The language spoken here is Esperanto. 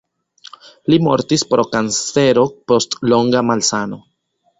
Li mortis pro kancero post longa malsano.